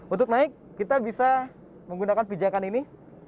untuk naik kita bisa menggunakan pijakan ini